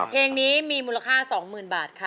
เพลงนี้มีมูลค่า๒๐๐๐บาทค่ะ